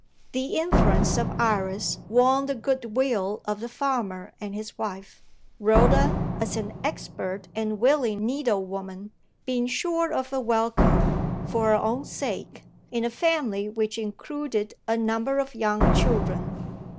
The influence of Iris won the goodwill of the farmer and his wife; Rhoda, as an expert and willing needlewoman, being sure of a welcome, for her own sake, in a family which included a number of young children.